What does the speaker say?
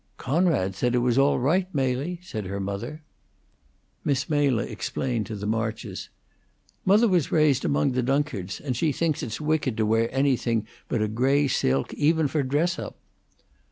"Coonrod said it was all right, Mely," said her mother. Miss Mela explained to the Marches: "Mother was raised among the Dunkards, and she thinks it's wicked to wear anything but a gray silk even for dress up."